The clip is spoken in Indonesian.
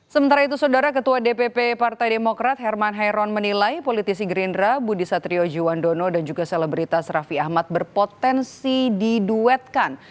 sementara itu saudara ketua dpp partai demokrat herman hairon menilai politisi gerindra budi satriojiwandono dan juga selebritas raffi ahmad berpotensi diduetkan